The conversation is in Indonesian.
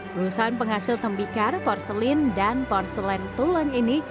perusahaan penghasil tembikar porselin dan porselen tulang ini